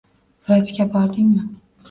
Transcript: - Vrachga bordingmi?